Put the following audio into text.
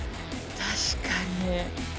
確かに。